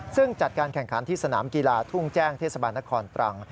ซึ่งจัดการแข่งขันที่สนามกีฬาทุ่งแจ้งเทศบาลนครตรัง